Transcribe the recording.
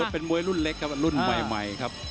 เป็นมวยรุ่นเล็กครับรุ่นใหม่ครับ